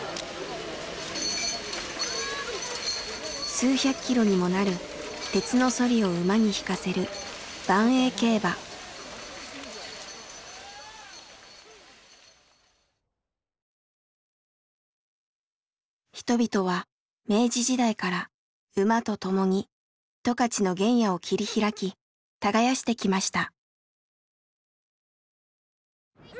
数百キロにもなる鉄のソリを馬にひかせる人々は明治時代から馬とともに十勝の原野を切り開き耕してきました。